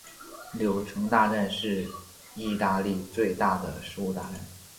柳橙大战是义大利最大的食物大战。